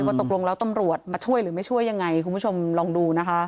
ตกลงแล้วตำรวจมาช่วยหรือไม่ช่วยยังไงคุณผู้ชมลองดูนะคะ